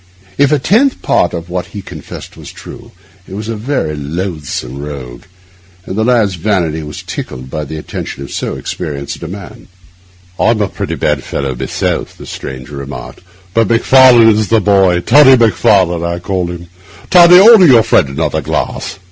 If a tenth part of what he confessed were true, he was a very loathsome rogue; and the lad's vanity was tickled by the attention of so experienced a man. 'I'm a pretty bad fellow myself,' the stranger remarked, 'but Macfarlane is the boy—Toddy Macfarlane I call him. Toddy, order your friend another glass.